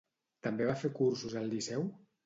També va fer cursos al Liceu?